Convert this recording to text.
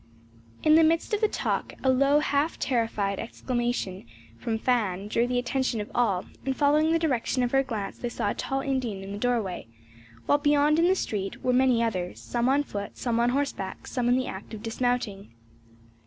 In the midst of the talk a low, half terrified exclamation from Fan drew the attention of all, and following the direction of her glance they saw a tall Indian in the doorway, while beyond in the street, were many others, some on foot, some on horseback, some in the act of dismounting.